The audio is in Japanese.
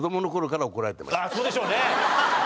ああそうでしょうね。